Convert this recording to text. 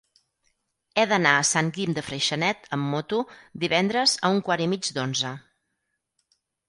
He d'anar a Sant Guim de Freixenet amb moto divendres a un quart i mig d'onze.